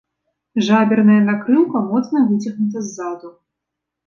Жаберная накрыўка моцна выцягнута ззаду.